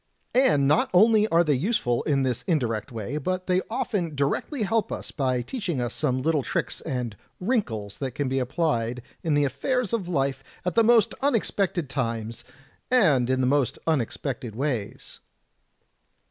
And not only are they useful in this indirect way, but they often directly help us by teaching us some little tricks and * wrinkles' that can be applied in the affairs of life at the most unexpected times, and in the most imex pected ways."